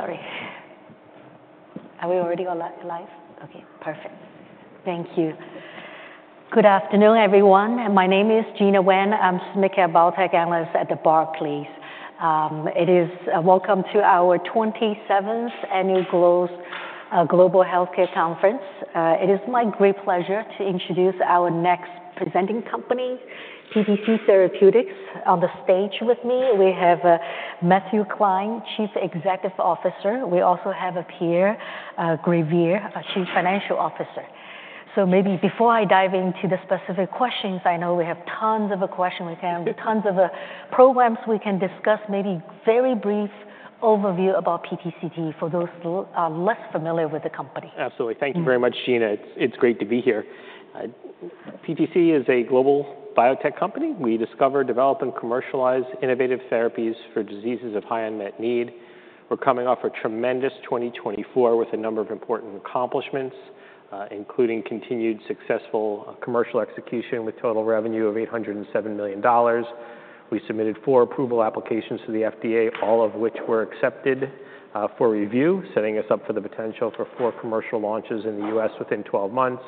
Sorry. Are we already on live? Okay, perfect. Thank you. Good afternoon, everyone. My name is Gena Wang. I'm a Senior Equity Analyst at Barclays. Welcome to our 27th annual Global Healthcare Conference. It is my great pleasure to introduce our next presenting company, PTC Therapeutics. On the Stage with me, we have Matthew Klein, Chief Executive Officer. We also have Pierre Gravier, Chief Financial Officer. Maybe before I dive into the specific questions, I know we have tons of questions we can, tons of programs we can discuss, maybe a very brief overview about PTCT for those less familiar with the company. Absolutely. Thank you very much, Gena. It's great to be here. PTC is a global biotech company. We discover, develop, and commercialize innovative therapies for diseases of high unmet need. We're coming off a tremendous 2024 with a number of important accomplishments, including continued successful commercial execution with total revenue of $807 million. We submitted four approval applications to the FDA, all of which were accepted for review, setting us up for the potential for four commercial launches in the U.S. within 12 months.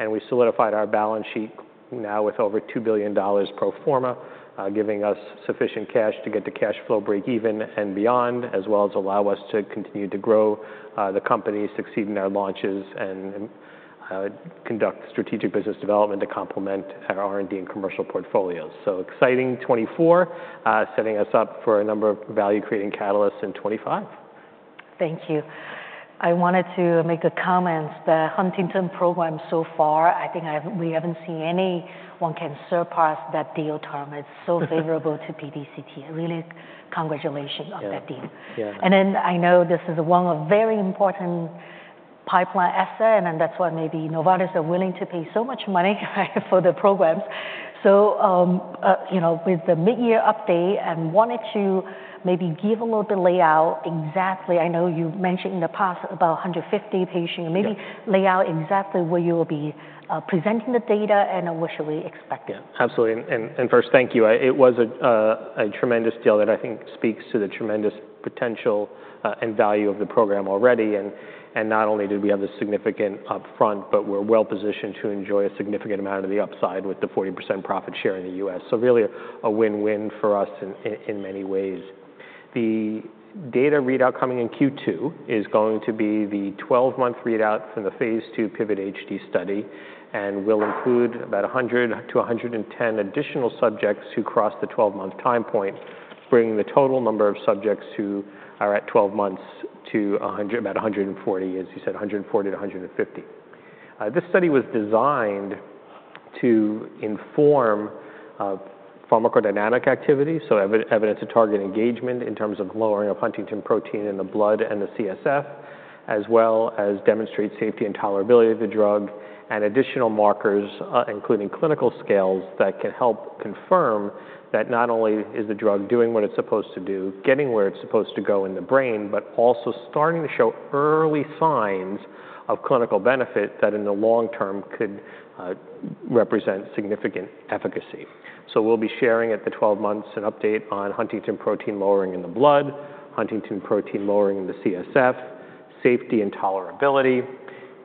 We solidified our balance sheet now with over $2 billion pro forma, giving us sufficient cash to get the cash flow break even and beyond, as well as allow us to continue to grow the company, succeed in our launches, and conduct strategic business development to complement our R&D and commercial portfolios. Exciting 2024, setting us up for a number of value-creating catalysts in 2025. Thank you. I wanted to make a comment. The Huntington program so far, I think we haven't seen anyone can surpass that deal term. It's so favorable to PTCT. Really, congratulations on that deal. I know this is one of very important pipeline assets, and that's why maybe Novartis are willing to pay so much money for the programs. With the mid-year update, I wanted to maybe give a little bit of layout exactly. I know you mentioned in the past about 150 patients, maybe lay out exactly where you will be presenting the data and what should we expect. Yeah, absolutely. First, thank you. It was a tremendous deal that I think speaks to the tremendous potential and value of the program already. Not only did we have the significant upfront, but we're well positioned to enjoy a significant amount of the upside with the 40% profit share in the U.S. Really a win-win for us in many ways. The data readout coming in Q2 is going to be the 12-month readout from the phase 2 PIVOT-HD study and will include about 100-110 additional subjects who cross the 12-month time point, bringing the total number of subjects who are at 12 months to about 140, as you said, 140-150. This study was designed to inform pharmacodynamic activity, so evidence of target engagement in terms of lowering of Huntington protein in the blood and the CSF, as well as demonstrate safety and tolerability of the drug and additional markers, including clinical scales that can help confirm that not only is the drug doing what it's supposed to do, getting where it's supposed to go in the brain, but also starting to show early signs of clinical benefit that in the long term could represent significant efficacy. We will be sharing at the 12 months an update on Huntington protein lowering in the blood, Huntington protein lowering in the CSF, safety and tolerability,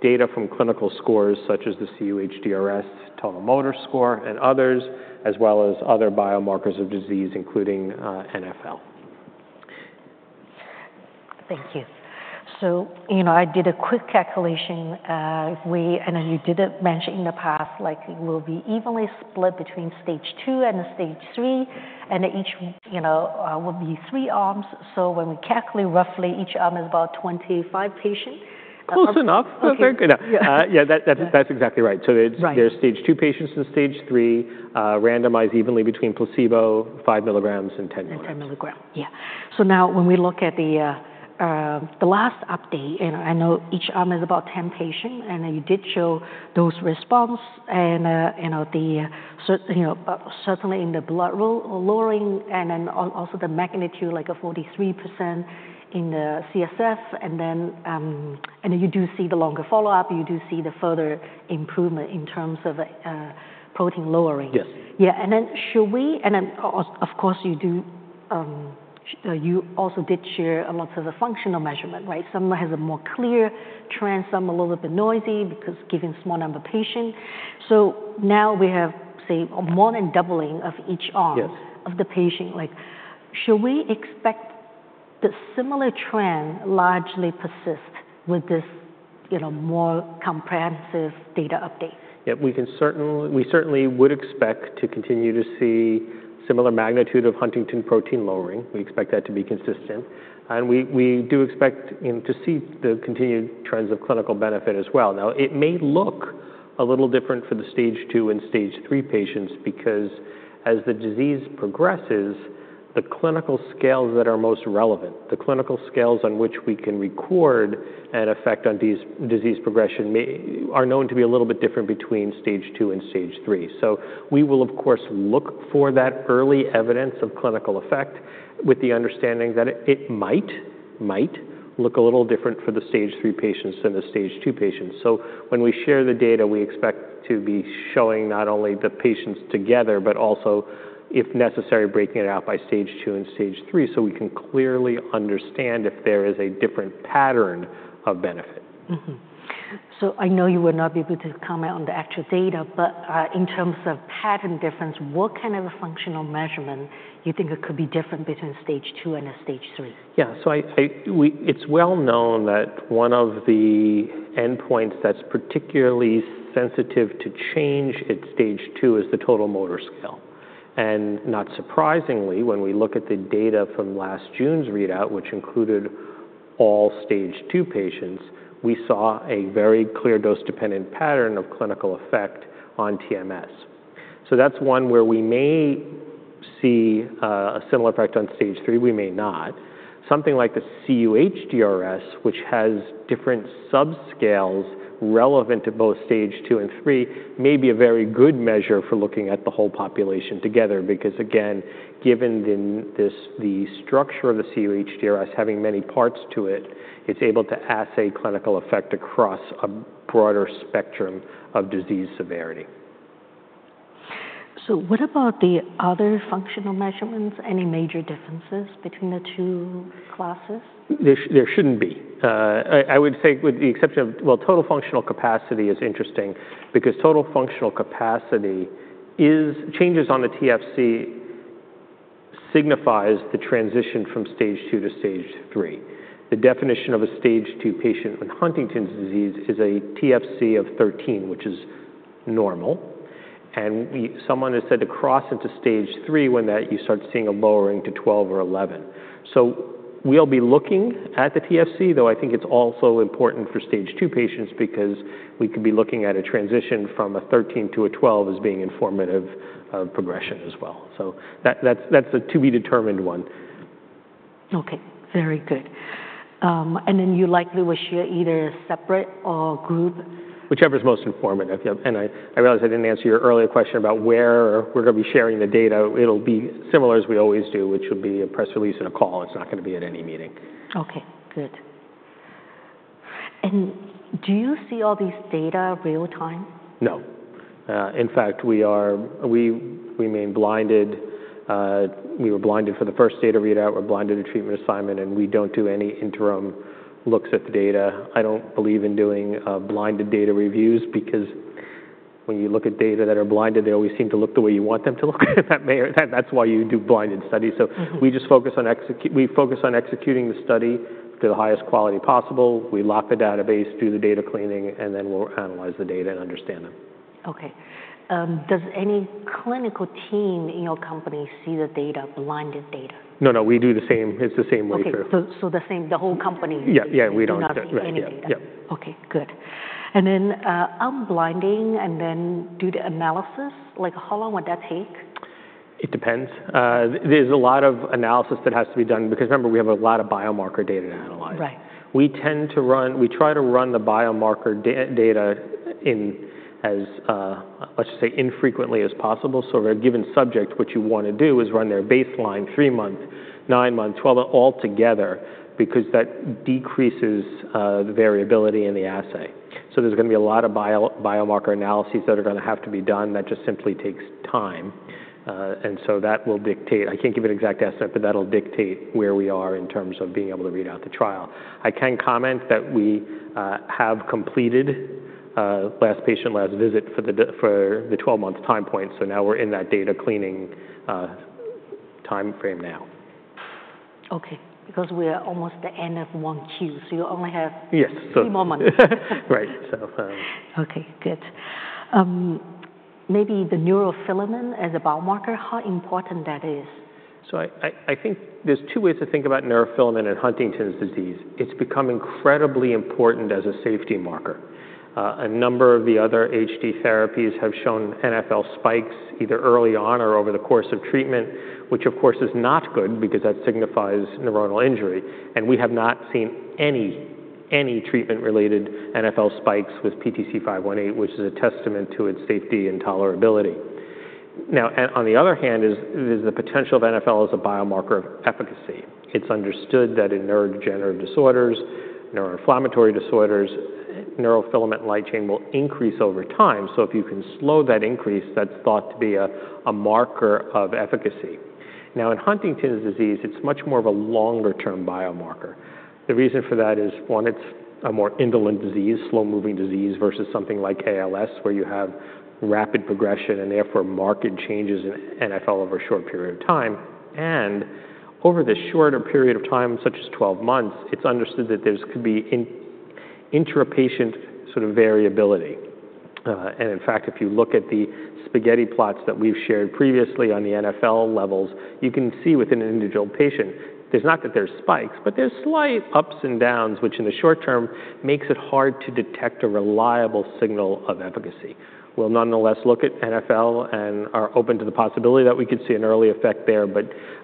data from clinical scores such as the cUHDRS total motor score and others, as well as other biomarkers of disease, including NfL. Thank you. I did a quick calculation, and you didn't mention in the past, like it will be evenly split between Stage 2 and Stage 3, and each will be three arms. When we calculate roughly, each arm is about 25 patients. Close enough. Yeah. Yeah, that's exactly right. There are Stage 2 patients and Stage 3, randomized evenly between placebo, 5 milligrams, and 10 milligrams. Ten milligrams. Yeah. Now when we look at the last update, I know each arm is about 10 patients, and you did show those response. Certainly in the blood lowering, and then also the magnitude like a 43% in the CSF. You do see the longer follow-up, you do see the further improvement in terms of protein lowering. Yes. Yeah. Should we, and of course you do, you also did share a lot of the functional measurement, right? Some has a more clear trend, some a little bit noisy because given small number of patients. Now we have, say, more than doubling of each arm of the patient. Should we expect the similar trend largely persist with this more comprehensive data update? Yeah, we certainly would expect to continue to see similar magnitude of Huntington protein lowering. We expect that to be consistent. We do expect to see the continued trends of clinical benefit as well. It may look a little different for the Stage 2 and Stage 3 patients because as the disease progresses, the clinical scales that are most relevant, the clinical scales on which we can record an effect on disease progression are known to be a little bit different between Stage 2 and Stage 3. We will, of course, look for that early evidence of clinical effect with the understanding that it might look a little different for the Stage 3 patients than the Stage 2 patients. When we share the data, we expect to be showing not only the patients together, but also, if necessary, breaking it out by Stage 2 and Stage 3 so we can clearly understand if there is a different pattern of benefit. I know you will not be able to comment on the actual data, but in terms of pattern difference, what kind of a functional measurement do you think could be different between Stage 2 and Stage 3? Yeah. It is well known that one of the endpoints that is particularly sensitive to change at Stage 2 is the total motor scale. Not surprisingly, when we look at the data from last June's readout, which included all Stage 2 patients, we saw a very clear dose-dependent pattern of clinical effect on TMS. That is one where we may see a similar effect on Stage 3. We may not. Something like the CUHDRS, which has different subscales relevant to both Stage 2 and Stage 3, may be a very good measure for looking at the whole population together because, again, given the structure of the CUHDRS having many parts to it, it is able to assay clinical effect across a broader spectrum of disease severity. What about the other functional measurements? Any major differences between the two classes? There shouldn't be. I would say with the exception of, well, total functional capacity is interesting because total functional capacity is changes on the TFC signifies the transition from Stage 2 to Stage 3. The definition of a Stage 2 patient with Huntington's disease is a TFC of 13, which is normal. And someone is said to cross into Stage 3 when you start seeing a lowering to 12 or 11. We will be looking at the TFC, though I think it's also important for Stage 2 patients because we could be looking at a transition from a 13 to a 12 as being informative of progression as well. That is a to be determined one. Okay. Very good. You likely will share either a separate group. Whichever is most informative. I realize I didn't answer your earlier question about where we're going to be sharing the data. It'll be similar as we always do, which will be a press release and a call. It's not going to be at any meeting. Okay. Good. Do you see all these data real-time? No. In fact, we remain blinded. We were blinded for the first data readout. We're blinded to treatment assignment, and we don't do any interim looks at the data. I don't believe in doing blinded data reviews because when you look at data that are blinded, they always seem to look the way you want them to look. That's why you do blinded studies. We just focus on executing the study to the highest quality possible. We lock the database, do the data cleaning, and then we'll analyze the data and understand them. Okay. Does any clinical team in your company see the blinded data? No, no. We do the same. It's the same way through. Okay. The whole company do not see any data. Yeah. Yeah. We don't. Okay. Good. And then unblinding and then do the analysis, like how long would that take? It depends. There's a lot of analysis that has to be done because remember, we have a lot of biomarker data to analyze. We tend to run, we try to run the biomarker data in as, let's just say, infrequently as possible. For a given subject, what you want to do is run their baseline, three month, nine month, twelve month altogether because that decreases the variability in the assay. There's going to be a lot of biomarker analyses that are going to have to be done. That just simply takes time. That will dictate, I can't give an exact estimate, but that'll dictate where we are in terms of being able to read out the trial. I can comment that we have completed last patient, last visit for the 12-month time point. Now we're in that data cleaning timeframe now. Okay. Because we're almost the end of 1Q. So you only have a few more months. Right. Okay. Good. Maybe the neurofilament as a biomarker, how important that is? I think there's two ways to think about neurofilament and Huntington's disease. It's become incredibly important as a safety marker. A number of the other HD therapies have shown NFL spikes either early on or over the course of treatment, which of course is not good because that signifies neuronal injury. We have not seen any treatment-related NFL spikes with PTC518, which is a testament to its safety and tolerability. Now, on the other hand, there's the potential of NFL as a biomarker of efficacy. It's understood that in neurodegenerative disorders, neuroinflammatory disorders, neurofilament light chain will increase over time. If you can slow that increase, that's thought to be a marker of efficacy. In Huntington's disease, it's much more of a longer-term biomarker. The reason for that is, one, it's a more indolent disease, slow-moving disease versus something like ALS, where you have rapid progression and therefore marked changes in NFL over a short period of time. Over the shorter period of time, such as 12 months, it's understood that there could be intrapatient sort of variability. In fact, if you look at the spaghetti plots that we've shared previously on the NFL levels, you can see within an individual patient, it's not that there's spikes, but there's slight ups and downs, which in the short term makes it hard to detect a reliable signal of efficacy. We'll nonetheless look at NFL and are open to the possibility that we could see an early effect there.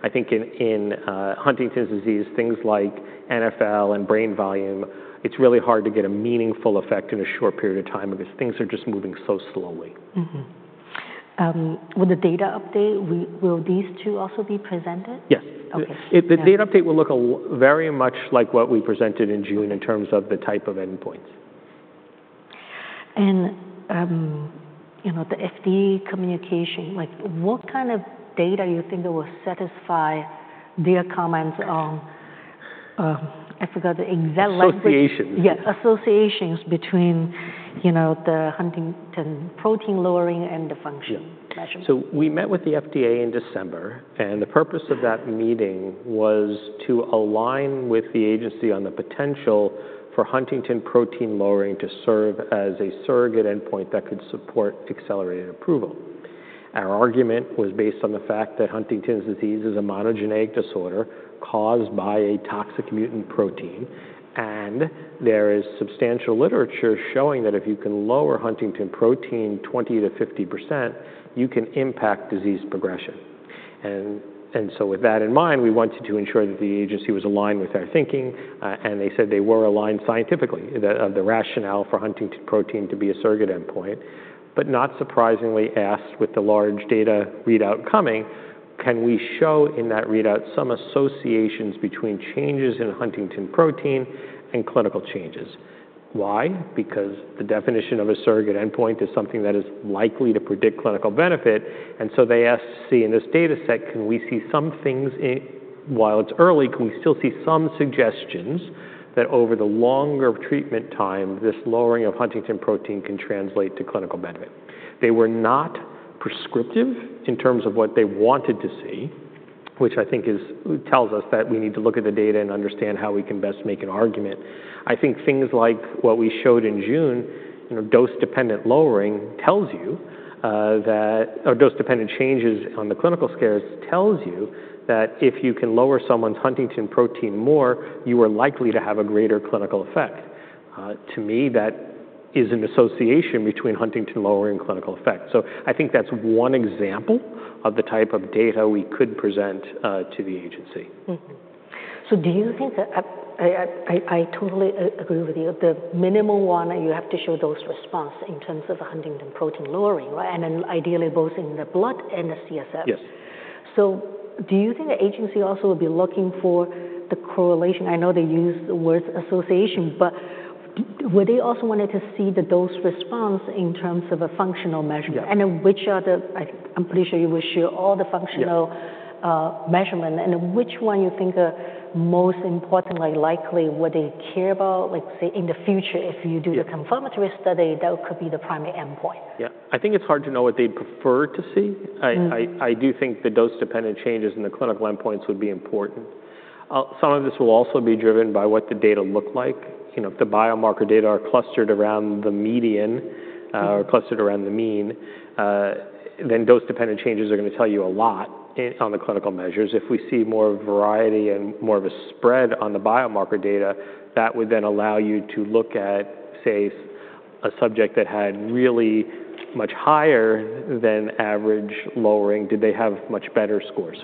I think in Huntington's disease, things like NFL and brain volume, it's really hard to get a meaningful effect in a short period of time because things are just moving so slowly. With the data update, will these two also be presented? Yes. The data update will look very much like what we presented in June in terms of the type of endpoints. The FDA communication, what kind of data you think will satisfy their comments on, I forgot the exact language. Associations. Yeah. Associations between the Huntington protein lowering and the functional measurement. We met with the FDA in December, and the purpose of that meeting was to align with the agency on the potential for Huntington protein lowering to serve as a surrogate endpoint that could support accelerated approval. Our argument was based on the fact that Huntington's disease is a monogenetic disorder caused by a toxic mutant protein. There is substantial literature showing that if you can lower Huntington protein 20%-50%, you can impact disease progression. With that in mind, we wanted to ensure that the agency was aligned with our thinking. They said they were aligned scientifically of the rationale for Huntington protein to be a surrogate endpoint. Not surprisingly, asked with the large data readout coming, can we show in that readout some associations between changes in Huntington protein and clinical changes? Why? Because the definition of a surrogate endpoint is something that is likely to predict clinical benefit. They asked to see in this data set, can we see some things while it's early, can we still see some suggestions that over the longer treatment time, this lowering of Huntington protein can translate to clinical benefit? They were not prescriptive in terms of what they wanted to see, which I think tells us that we need to look at the data and understand how we can best make an argument. I think things like what we showed in June, dose-dependent lowering tells you that, or dose-dependent changes on the clinical scales tells you that if you can lower someone's Huntington protein more, you are likely to have a greater clinical effect. To me, that is an association between Huntington lowering and clinical effect. I think that's one example of the type of data we could present to the agency. I totally agree with you. The minimum one that you have to show is those response in terms of the Huntington protein lowering, right? And then ideally both in the blood and the CSF. Yes. Do you think the agency also will be looking for the correlation? I know they use the word association, but would they also want to see the dose response in terms of a functional measurement? Which are the, I'm pretty sure you will share all the functional measurement. Which one you think are most importantly likely what they care about, like say in the future, if you do the confirmatory study, that could be the primary endpoint. Yeah. I think it's hard to know what they'd prefer to see. I do think the dose-dependent changes in the clinical endpoints would be important. Some of this will also be driven by what the data look like. If the biomarker data are clustered around the median or clustered around the mean, then dose-dependent changes are going to tell you a lot on the clinical measures. If we see more variety and more of a spread on the biomarker data, that would then allow you to look at, say, a subject that had really much higher than average lowering, did they have much better scores?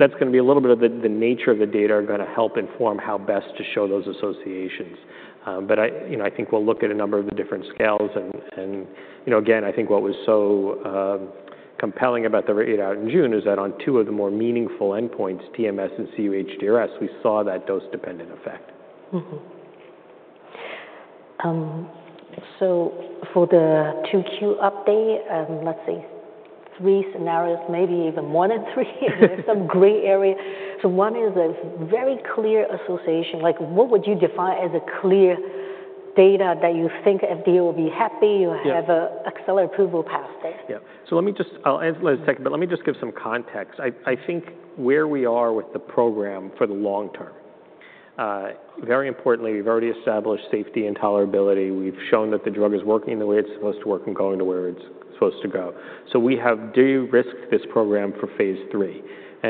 That is going to be a little bit of the nature of the data are going to help inform how best to show those associations. I think we'll look at a number of the different scales. I think what was so compelling about the readout in June is that on two of the more meaningful endpoints, TMS and CUHDRS, we saw that dose-dependent effect. For the 2Q update, let's say three scenarios, maybe even more than three, there's some gray area. One is a very clear association. What would you define as clear data that you think FDA will be happy or have an accelerated approval passed? Yeah. Let me just, I'll end with a second, but let me just give some context. I think where we are with the program for the long term, very importantly, we've already established safety and tolerability. We've shown that the drug is working the way it's supposed to work and going to where it's supposed to go. We have de-risked this program for phase three.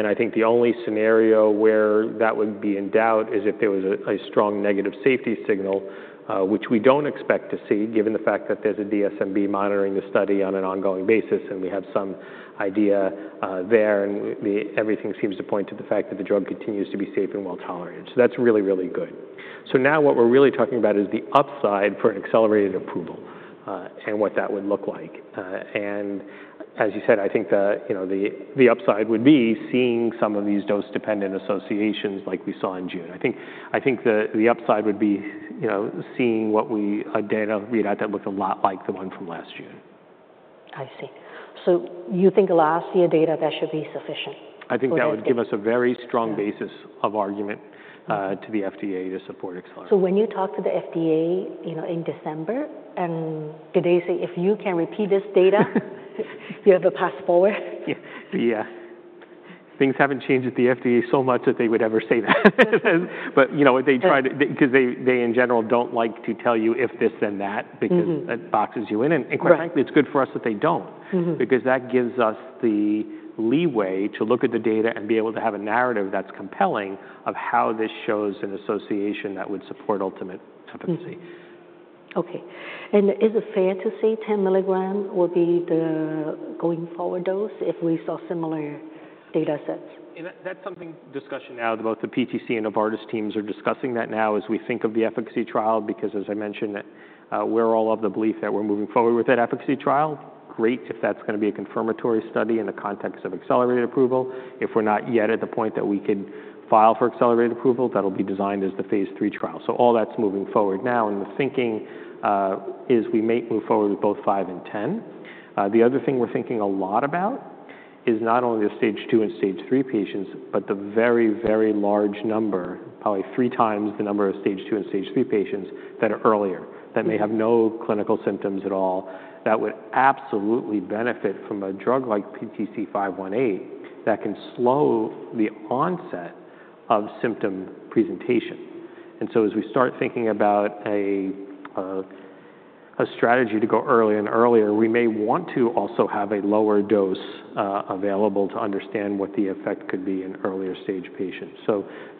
I think the only scenario where that would be in doubt is if there was a strong negative safety signal, which we don't expect to see given the fact that there's a DSMB monitoring the study on an ongoing basis and we have some idea there. Everything seems to point to the fact that the drug continues to be safe and well tolerated. That's really, really good. What we're really talking about is the upside for an accelerated approval and what that would look like. As you said, I think the upside would be seeing some of these dose-dependent associations like we saw in June. I think the upside would be seeing a data readout that looks a lot like the one from last June. I see. You think the last year data that should be sufficient? I think that would give us a very strong basis of argument to the FDA to support acceleration. When you talk to the FDA in December, did they say, "If you can repeat this data, you have to pass forward"? Yeah. Yeah. Things have not changed at the FDA so much that they would ever say that. They try to, because they in general do not like to tell you if this than that because it boxes you in. Quite frankly, it is good for us that they do not because that gives us the leeway to look at the data and be able to have a narrative that is compelling of how this shows an association that would support ultimate efficacy. Okay. Is it fair to say 10 milligram will be the going forward dose if we saw similar data sets? That's something under discussion now that both the PTC and Novartis teams are discussing as we think of the efficacy trial because, as I mentioned, we're all of the belief that we're moving forward with that efficacy trial. Great if that's going to be a confirmatory study in the context of accelerated approval. If we're not yet at the point that we could file for accelerated approval, that'll be designed as the phase three trial. All that's moving forward now. The thinking is we might move forward with both five and ten. The other thing we're thinking a lot about is not only the Stage 2 and Stage 3 patients, but the very, very large number, probably three times the number of Stage 2 and Stage 3 patients that are earlier, that may have no clinical symptoms at all, that would absolutely benefit from a drug like PTC518 that can slow the onset of symptom presentation. As we start thinking about a strategy to go early and earlier, we may want to also have a lower dose available to understand what the effect could be in earlier stage patients.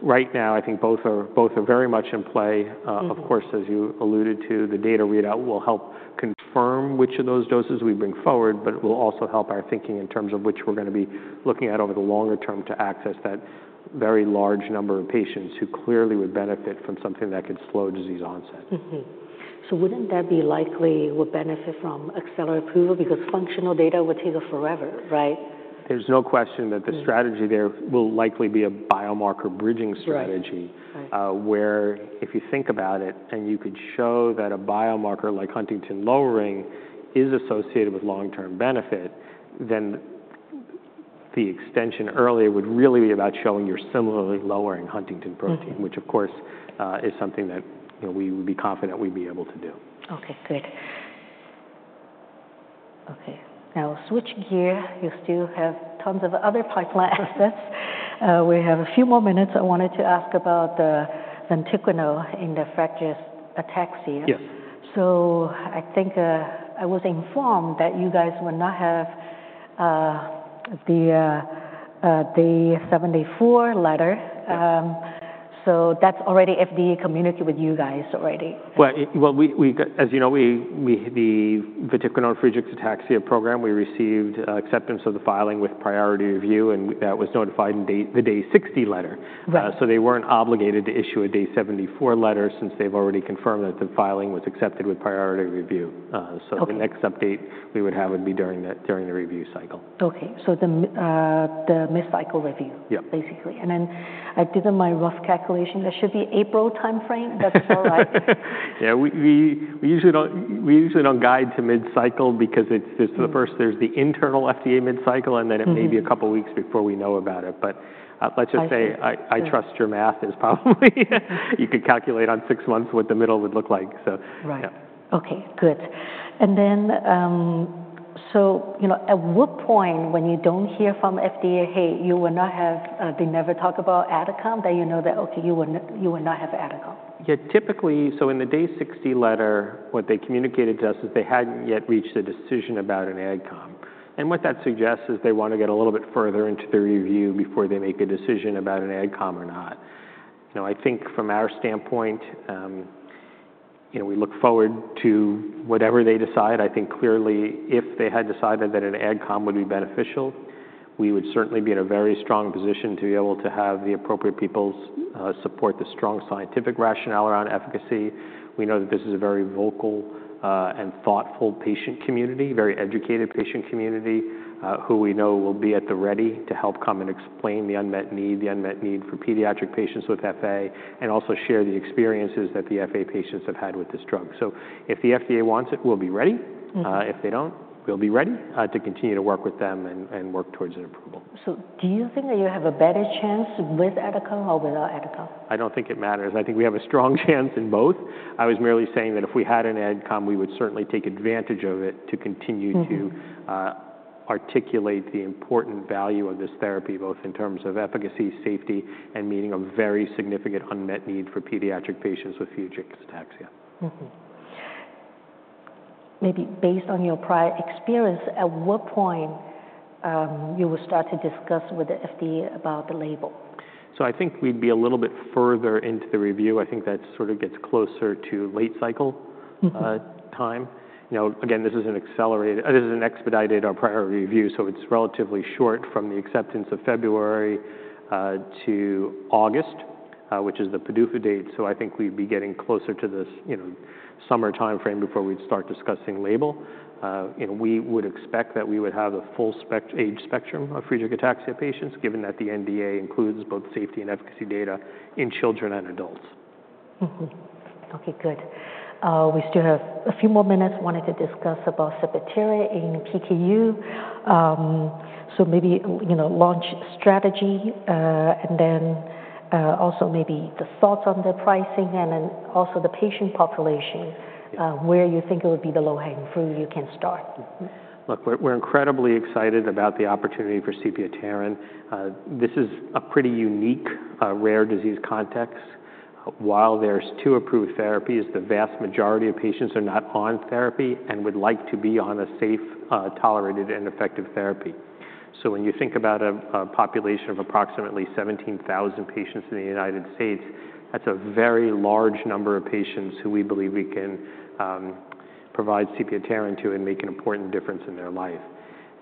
Right now, I think both are very much in play. Of course, as you alluded to, the data readout will help confirm which of those doses we bring forward, but it will also help our thinking in terms of which we're going to be looking at over the longer term to access that very large number of patients who clearly would benefit from something that could slow disease onset. Wouldn't that be likely would benefit from accelerated approval because functional data would take forever, right? There's no question that the strategy there will likely be a biomarker bridging strategy where if you think about it and you could show that a biomarker like Huntington lowering is associated with long-term benefit, then the extension earlier would really be about showing you're similarly lowering Huntington protein, which of course is something that we would be confident we'd be able to do. Okay. Great. Okay. Now switch gear. You still have tons of other pipeline assets. We have a few more minutes. I wanted to ask about the vatiquinone in the Friedreich's ataxia. Yes. I think I was informed that you guys will not have the 74 letter. That is already FDA communicated with you guys already. As you know, the vatiquinone for Friedreich's ataxia program, we received acceptance of the filing with priority review and that was notified in the day 60 letter. They were not obligated to issue a day 74 letter since they have already confirmed that the filing was accepted with priority review. The next update we would have would be during the review cycle. Okay. The mid-cycle review, basically. I did my rough calculation. That should be April timeframe. That's all right. Yeah. We usually don't guide to mid-cycle because there's the first, there's the internal FDA mid-cycle and then it may be a couple of weeks before we know about it. Let's just say I trust your math is probably you could calculate on six months what the middle would look like. Right. Okay. Good. At what point when you do not hear from FDA, hey, you will not have, they never talk about adcom, then you know that, okay, you will not have adcom. Yeah. Typically, in the day 60 letter, what they communicated to us is they hadn't yet reached a decision about an adcom. What that suggests is they want to get a little bit further into the review before they make a decision about an adcom or not. I think from our standpoint, we look forward to whatever they decide. I think clearly if they had decided that an adcom would be beneficial, we would certainly be in a very strong position to be able to have the appropriate people support the strong scientific rationale around efficacy. We know that this is a very vocal and thoughtful patient community, very educated patient community who we know will be at the ready to help come and explain the unmet need, the unmet need for pediatric patients with FA, and also share the experiences that the FA patients have had with this drug. If the FDA wants it, we'll be ready. If they don't, we'll be ready to continue to work with them and work towards an approval. Do you think that you have a better chance with adcom or without adcom? I don't think it matters. I think we have a strong chance in both. I was merely saying that if we had an adcom, we would certainly take advantage of it to continue to articulate the important value of this therapy both in terms of efficacy, safety, and meeting a very significant unmet need for pediatric patients with Friedreich's ataxia. Maybe based on your prior experience, at what point you will start to discuss with the FDA about the label? I think we'd be a little bit further into the review. I think that sort of gets closer to late cycle time. Again, this is an expedited or priority review. So it's relatively short from the acceptance of February to August, which is the PDUFA date. I think we'd be getting closer to the summer timeframe before we'd start discussing label. We would expect that we would have a full age spectrum of Friedreich's ataxia patients given that the NDA includes both safety and efficacy data in children and adults. Okay. Good. We still have a few more minutes. Wanted to discuss about sepiapterin in PKU. Maybe launch strategy and then also maybe the thoughts on the pricing and then also the patient population where you think it would be the low-hanging fruit you can start. Look, we're incredibly excited about the opportunity for sepiapterin. This is a pretty unique rare disease context. While there's two approved therapies, the vast majority of patients are not on therapy and would like to be on a safe, tolerated, and effective therapy. When you think about a population of approximately 17,000 patients in the United States, that's a very large number of patients who we believe we can provide sepiapterin to and make an important difference in their life.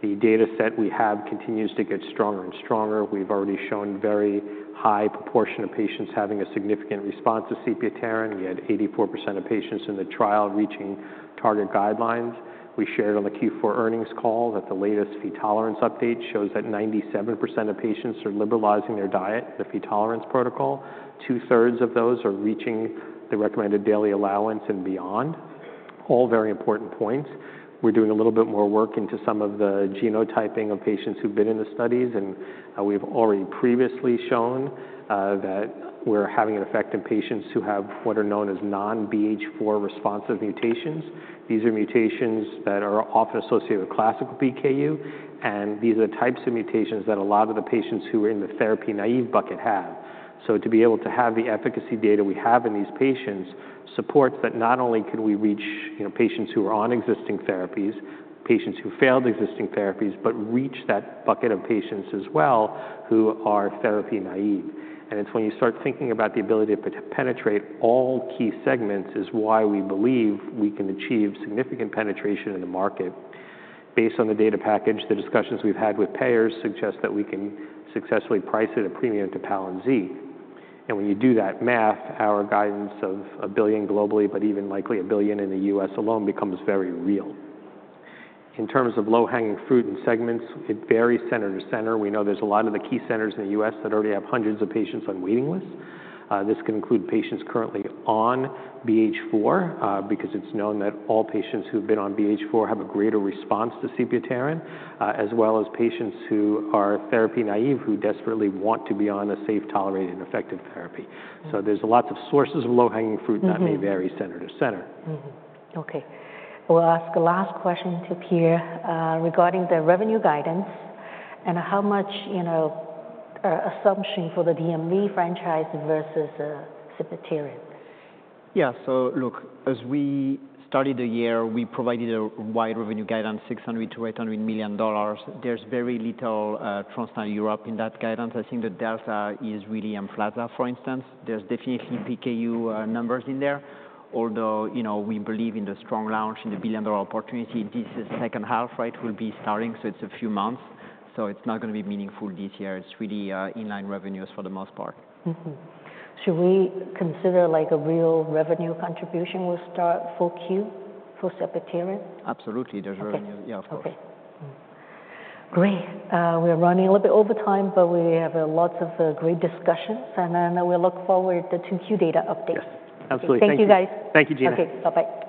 The data set we have continues to get stronger and stronger. We've already shown a very high proportion of patients having a significant response to sepiapterin. We had 84% of patients in the trial reaching target guidelines. We shared on the Q4 earnings call that the latest Phe tolerance update shows that 97% of patients are liberalizing their diet, the Phe tolerance protocol. Two-thirds of those are reaching the recommended daily allowance and beyond. All very important points. We're doing a little bit more work into some of the genotyping of patients who've been in the studies. We've already previously shown that we're having an effect in patients who have what are known as non-BH4 responsive mutations. These are mutations that are often associated with classical PKU. These are the types of mutations that a lot of the patients who are in the therapy naive bucket have. To be able to have the efficacy data we have in these patients supports that not only can we reach patients who are on existing therapies, patients who failed existing therapies, but reach that bucket of patients as well who are therapy naive. It's when you start thinking about the ability to penetrate all key segments, which is why we believe we can achieve significant penetration in the market. Based on the data package, the discussions we've had with payers suggest that we can successfully price it at a premium to Palynziq. When you do that math, our guidance of $1 billion globally, but even likely $1 billion in the U.S. alone, becomes very real. In terms of low-hanging fruit and segments, it varies center to center. We know there's a lot of the key centers in the U.S. that already have hundreds of patients on waiting lists. This can include patients currently on BH4 because it's known that all patients who have been on BH4 have a greater response to sepiapterin, as well as patients who are therapy naive who desperately want to be on a safe, tolerated, and effective therapy. There are lots of sources of low-hanging fruit that may vary center to center. Okay. We'll ask the last question to Pierre regarding the revenue guidance and how much assumption for the DMD franchise versus sepiapterin. Yeah. So look, as we started the year, we provided a wide revenue guidance, $600 million-$800 million. There's very little Translarna in Europe in that guidance. I think the delta is really in EMFLAZA for instance. There's definitely PKU numbers in there. Although we believe in the strong launch and the billion-dollar opportunity, this is the second half, right, will be starting. So it's a few months. So it's not going to be meaningful this year. It's really inline revenues for the most part. Should we consider a real revenue contribution will start for Q4 for sepiapterin? Absolutely. There's revenue. Yeah, of course. Okay. Great. We're running a little bit over time, but we have lots of great discussions. We look forward to 2Q data updates. Yes. Absolutely. Thank you. Thank you, guys. Thank you, Gena. Okay. Bye-bye.